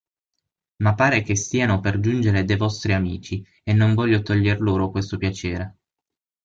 Ma pare che stiano per giungere de' vostri amici e non voglio toglier loro questo piacere.